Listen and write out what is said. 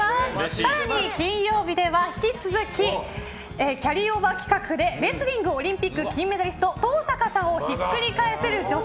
更に金曜日では引き続きキャリーオーバー企画でレスリングオリンピック金メダリスト登坂さんをひっくり返せる女性。